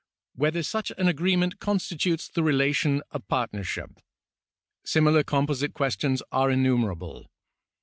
whether such an agreement constitutes the relation of partnership). Similar composite questions are innumerable.